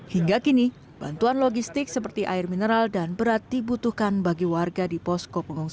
hingga kini bantuan logistik seperti air mineral dan berat dibutuhkan bagi warga di posko pengungsian